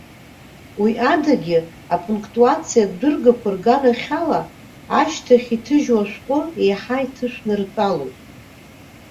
Уи адагьы, апунктуациатә дыргақәа рганахьала ашьҭахь иҭыжьу ашәҟәы еиҳа иҭышәнартәалоуп.